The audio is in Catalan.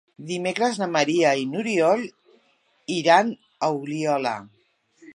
Dimecres na Maria i n'Oriol iran a Oliola.